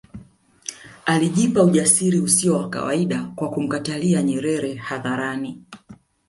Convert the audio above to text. Alijipa ujasiri usio wa kawaida kwa kumkatalia Nyerere hadharani